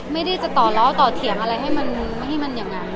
ไม่ได้จะต่อเล่าต่อเถียงอะไรให้มันอย่างนั้น